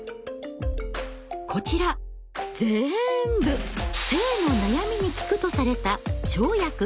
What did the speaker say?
こちらぜんぶ性の悩みに効くとされた「生薬」。